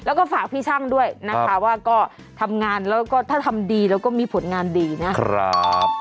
แล้วก็ฝากพี่ช่างด้วยนะคะว่าก็ทำงานแล้วก็ถ้าทำดีแล้วก็มีผลงานดีนะครับ